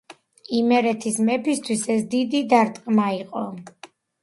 იმერეთის მეფისთვის ეს დიდი დარტყმა იყო.